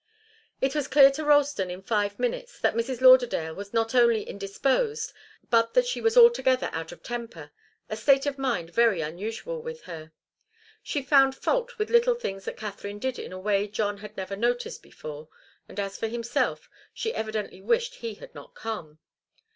It was clear to Ralston in five minutes that Mrs. Lauderdale was not only indisposed, but that she was altogether out of temper, a state of mind very unusual with her. She found fault with little things that Katharine did in a way John had never noticed before, and as for himself, she evidently wished he had not come.